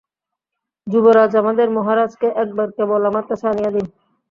যুবরাজ আমাদের মহারাজকে একবার কেবল আমার কাছে আনিয়া দিন।